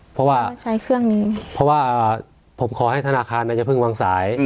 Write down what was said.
เพราะว่าใช้เครื่องนี้เพราะว่าผมขอให้ธนาคารอย่าเพิ่งวางสาย